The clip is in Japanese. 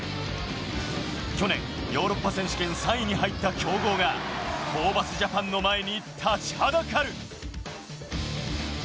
去年、ヨーロッパ選手権３位に入った強豪がホーバスＪＡＰＡＮの前に立ちはだかる。